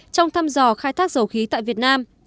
trong thăm dò khai thác dầu khí tại việt nam